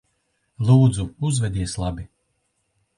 Lūdzu, uzvedies labi.